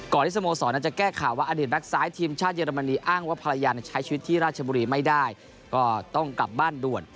ที่สโมสรอาจจะแก้ข่าวว่าอดีตแก๊กซ้ายทีมชาติเยอรมนีอ้างว่าภรรยาใช้ชีวิตที่ราชบุรีไม่ได้ก็ต้องกลับบ้านด่วน